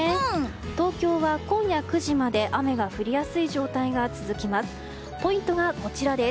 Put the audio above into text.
東京は今夜９時まで雨が降りやすい状態が続きます。